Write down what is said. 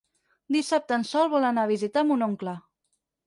Dissabte en Sol vol anar a visitar mon oncle.